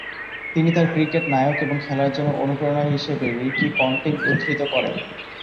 তিনি তার ক্রিকেট নায়ক এবং খেলার জন্য অনুপ্রেরণা হিসেবে রিকি পন্টিং উদ্ধৃত করেন।